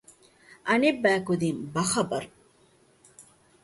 އަނެއްބައިކުދިން ބަޚަބަރު